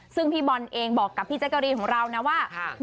ซึ่งพี่บอลเองบอกกับพี่แจ๊กกะรีนของเรานะว่า